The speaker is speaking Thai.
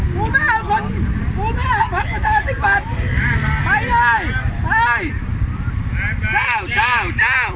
คุณไม่เอาคนคุณไม่เอาบาปเมืองประชาชนิดมัน